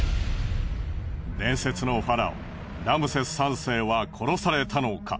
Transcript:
伝説のファラオラムセス３世は殺されたのか。